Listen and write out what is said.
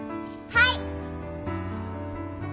はい。